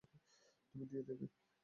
তুমি দিয়ে দেবে?